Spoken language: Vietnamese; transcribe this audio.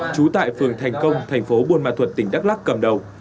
trú tại phường thành công thành phố buôn ma thuật tỉnh đắk lắc cầm đầu